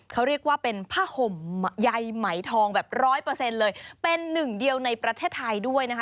เขาเรียกว่าเป็นผ้าห่มใยไหมทองแบบร้อยเปอร์เซ็นต์เลยเป็นหนึ่งเดียวในประเทศไทยด้วยนะคะ